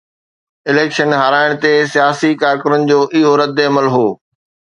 Election هارائڻ تي سياسي ڪارڪنن جو اهو ردعمل هو.